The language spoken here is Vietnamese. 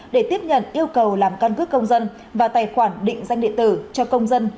để tiếp nhận yêu cầu làm căn cước công dân và tài khoản định danh điện tử cho công dân